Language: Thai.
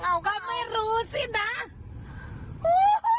เขาก็ไม่รู้สินะ